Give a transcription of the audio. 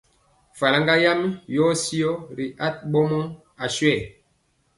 Faraŋga yam yɔɔ syɔ ti aɓɔmɔ aswɛɛ.